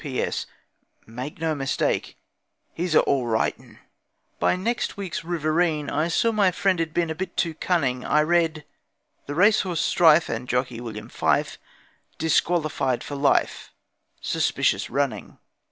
P.S. Make no mistake, HE'S A ALL RIGHT 'UN.' ..... By next week's RIVERINE I saw my friend had been A bit too cunning. I read: 'The racehorse Strife And jockey William Fife Disqualified for life Suspicious running.'